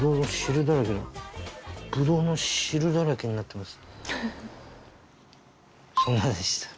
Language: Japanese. ブドウの汁だらけになってます。